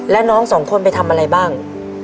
แล้วน้องสองคนไปทำอะไรบ้าง